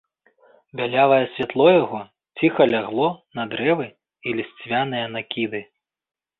Бялявае святло яго ціха лягло на дрэвы і лісцвяныя накіды.